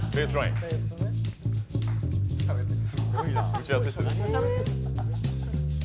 打ち合わせしてる。